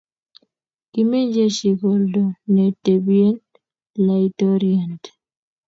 kimen jeshik oldo ne tebien laitoriante.